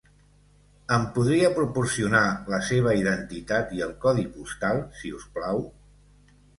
Em podria proporcionar la seva identitat i el codi postal, si us plau?